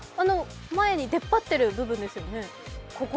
前に出っ張っている部分ですよね。